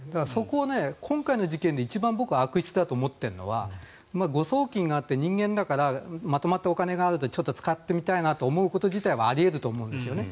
今回の事件で僕は一番悪質だと思っているのは誤送金があって、人間だからまとまったお金があるとちょっと使ってみたいなと思うこと自体はあり得ると思うんですね。